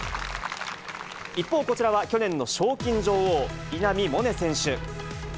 一方、こちらは去年の賞金女王、稲見萌寧選手。